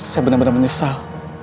saya benar benar menyesal